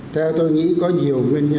theo tôi nghĩ có nhiều nguyên nhân